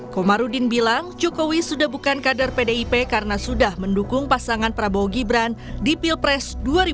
komarudin bilang jokowi sudah bukan kader pdip karena sudah mendukung pasangan prabowo gibran di pilpres dua ribu sembilan belas